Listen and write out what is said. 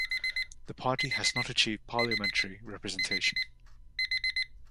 The party has not achieved parliamentary representation.